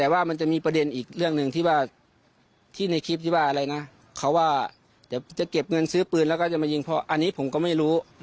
ว่าจะเก็บเงินซื้อปืนแล้วก็จะมายิงเพราะอันนี้ผมก็ไม่รู้